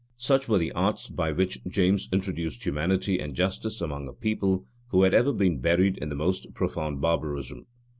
Such were the arts by which James introduced humanity and justice among a people who had ever been buried in the most profound barbarism.